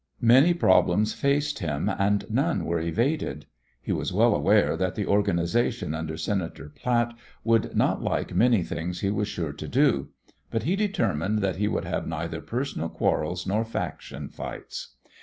Many problems faced him and none were evaded. He was well aware that the "organization" under Senator Platt would not like many things he was sure to do, but he determined that he would have neither personal quarrels nor faction fights.